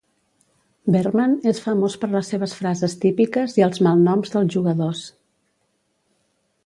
Berman és famós per les seves frases típiques i els malnoms dels jugadors.